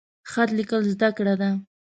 خط لیکل د زده ده؟